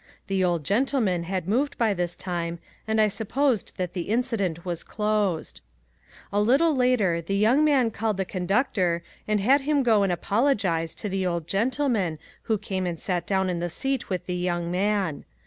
The old gentleman had moved by this time and I supposed that the incident was closed. A little later the young man called the conductor and had him go and apologize to the old gentleman who came and sat down in the seat with the young man.